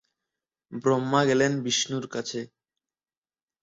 ব্রহ্মা গেলেন বিষ্ণুর কাছে।